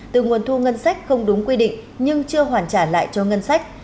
từ nguồn thu ngân sách không đúng quy định nhưng chưa hoàn trả lại cho ngân sách